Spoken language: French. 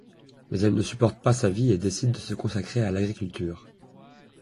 Mais elle ne supporte pas sa vie et décide de se consacrer à l'agriculture.